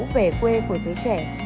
về quê của giới trẻ